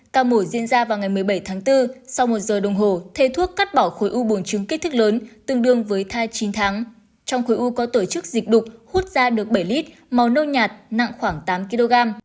ca mổ diễn ra vào ngày một mươi bảy tháng bốn sau một giờ đồng hồ thầy thuốc cắt bỏ khối u buồng trứng kích thước lớn tương đương với thai chín tháng trong khối u có tổ chức dịch đục hút ra được bảy lít màu nâu nhạt nặng khoảng tám kg